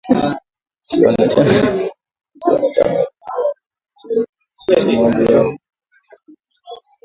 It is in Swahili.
Nchi wanachama wa Jumuiya ya Afrika Mashariki waliwasilisha maombi yao ya kuwa mwenyeji wa taasisi .